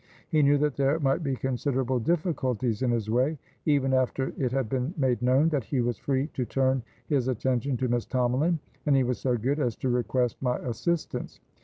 He knew that there might be considerable difficulties in his way, even after it had been made known that he was free to turn his attention to Miss Tomalin, and he was so good as to request my assistance.